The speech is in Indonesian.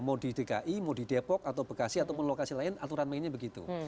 mau di dki mau di depok atau bekasi ataupun lokasi lain aturan mainnya begitu